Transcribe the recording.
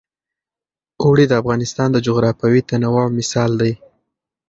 اوړي د افغانستان د جغرافیوي تنوع مثال دی.